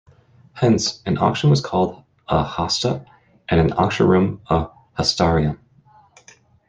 Hence, an auction was called a "hasta" and an auction-room a "hastarium".